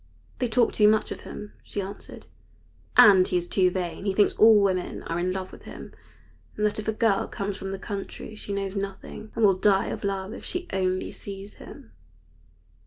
"They talk too much of him," she answered, "and he is too vain. He thinks all women are in love with him, and that if a girl comes from the country she knows nothing, and will die of love if she only sees him."